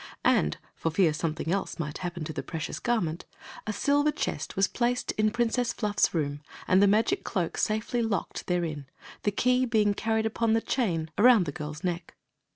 And, for fear something else might happen to the precious garment, a silver chest was placed in Princess Fluff's room and the magic cloak safely locked therein, the key being carried upon the chain around the girl's neck.